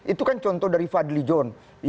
itu kan contoh dari fadli john